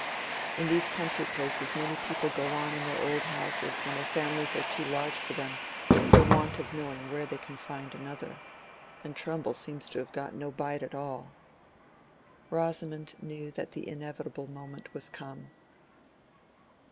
In these country places many people go on in their old houses when their families are too large for them, for want of knowing where they can find another. And Trumbull seems to have got no bite at all." Rosamond knew that the inevitable moment was come.